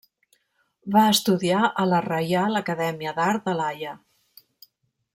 Va estudiar a la Reial Acadèmia d'Art de la Haia.